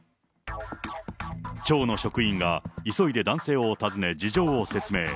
町の職員が急いで男性を訪ね、事情を説明。